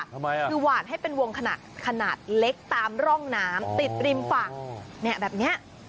ทำไมอ่ะคือหวานให้เป็นวงขนาดเล็กตามร่องน้ำติดริมฝั่งแบบนี้